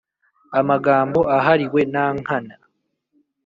amagambo ahariwe nankana.